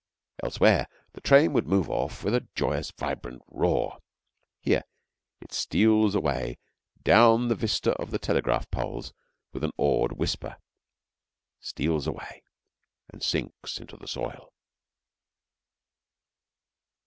Elsewhere the train would move off with a joyous, vibrant roar. Here it steals away down the vista of the telegraph poles with an awed whisper steals away and sinks into the soil.